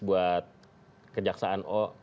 buat kejaksaan o